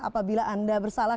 apabila anda bersalah